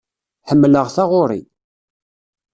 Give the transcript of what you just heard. Ḥemmleɣ taɣuri.